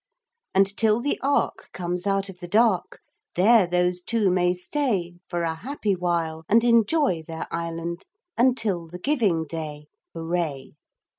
'And till the ark Comes out of the dark There those two may stay For a happy while, and Enjoy their island Until the Giving Day. Hooray.